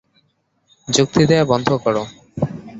যুক্তি দেয়া বন্ধ কর।